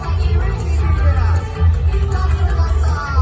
มันเป็นเมื่อไหร่แล้ว